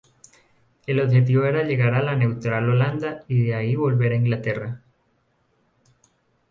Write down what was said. El objetivo era llegar a la neutral Holanda y de ahí volver a Inglaterra.